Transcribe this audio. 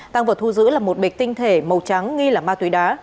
tàng vật thu giữ là một bịch tinh thể màu trắng nghi là ma tuế đá